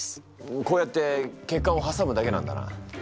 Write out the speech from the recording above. こうやって血管を挟むだけなんだな。